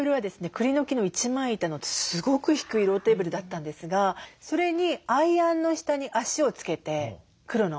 くりの木の一枚板のすごく低いローテーブルだったんですがそれにアイアンの下に脚を付けて黒の。